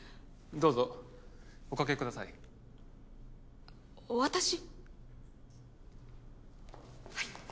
どうぞおかけください。